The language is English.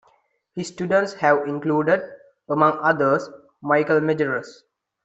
His students have included, among others, Michel Majerus.